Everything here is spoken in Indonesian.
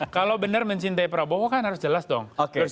kalau benar mencintai prabowo kan harus jelas dong